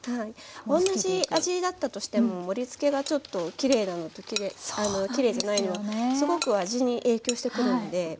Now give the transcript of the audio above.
同じ味だったとしても盛りつけがちょっときれいなのときれいじゃないのすごく味に影響してくるんで。